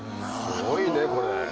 すごいね、これ。